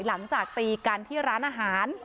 หลังจากตีกันที่ร้านอาหาร